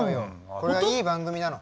これはいい番組なの。